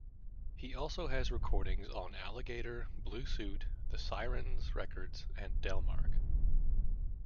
He also has recordings on Alligator, Blue Suit, The Sirens Records, and Delmark.